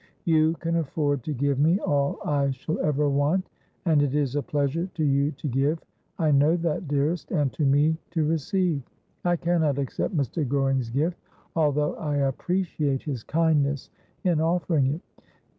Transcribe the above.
You can afford to give me all I shall ever want, and it is a pleasure to you to give — I know that, dearest — acd to me to receive. I cannot accept Mr. Goring's gift, although I appreciate his kindness in offering it.'